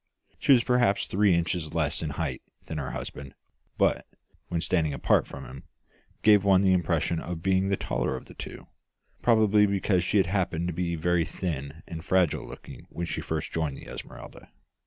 She was perhaps three inches less in height than her husband, but, when standing apart from him, gave one the impression of being the taller of the two, probably because she happened to be very thin and fragile looking when she first joined the Esmeralda.